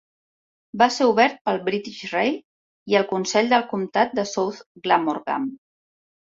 Va ser obert pel British Rail i el consell del comptat de South Glamorgan.